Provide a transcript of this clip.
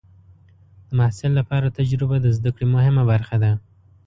د محصل لپاره تجربه د زده کړې مهمه برخه ده.